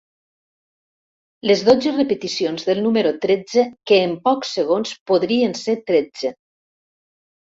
Les dotze repeticions del número tretze que en pocs segons podrien ser tretze.